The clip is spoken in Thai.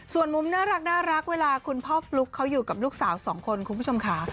ส่วนมุมน่ารักเวลาคุณพ่อฟลุ๊กเขาอยู่กับลูกสาวสองคนคุณผู้ชมค่ะ